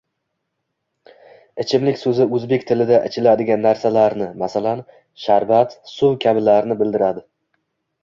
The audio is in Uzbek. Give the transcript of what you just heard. Ichimlik soʻzi oʻzbek tilida ichiladigan narsalarni, masalan, sharbat, suv kabilarni bildiradi